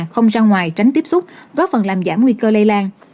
không ra ngoài tránh tiếp xúc góp phần làm giảm nguy cơ lây lan